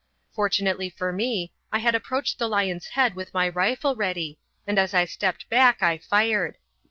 Fortunately for me, I had approached the lion's head with my rifle ready, and as I stepped back I fired.